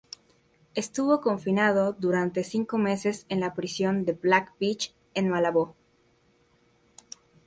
Estuvo confinado durante cinco meses en la Prisión de Black Beach en Malabo.